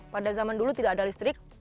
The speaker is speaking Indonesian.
pada zaman dulu tidak ada listrik